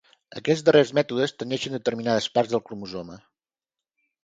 Aquests darrers mètodes tenyeixen determinades parts del cromosoma.